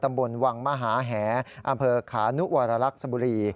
ตำบลวังมหาแหอำเภอขานุวรรลักษบุรี